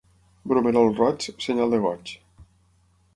Bromerol roig, senyal de goig.